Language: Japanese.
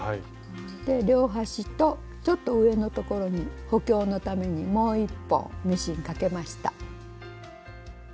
で両端とちょっと上のところに補強のためにもう一本ミシンかけました。